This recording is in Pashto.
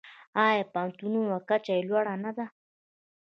آیا د پوهنتونونو کچه یې لوړه نه ده؟